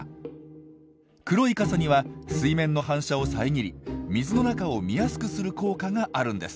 黒い傘には水面の反射をさえぎり水の中を見やすくする効果があるんです。